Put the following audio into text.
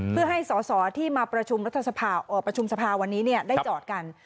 เพื่อให้สอสอที่มาประชุมสภาวันนี้ได้จอดกัน